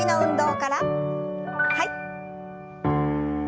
はい。